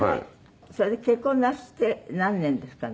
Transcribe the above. それで結婚なすって何年ですかね？